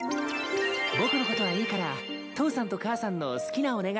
僕のことはいいから父さんと母さんの好きなお願いしてよ。